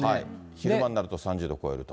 昼間になると３０度超えると。